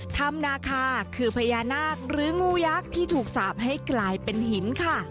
ธรรมนาคาคือพญานาคหรืองูยักษ์ที่ถูกสาปให้กลายเป็นหินค่ะ